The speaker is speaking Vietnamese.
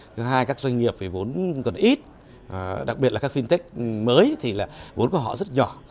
thứ hai các doanh nghiệp về vốn còn ít đặc biệt là các fintech mới thì vốn của họ rất nhỏ